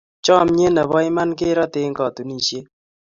chamyet Nebo iman kirate Eng katunisiet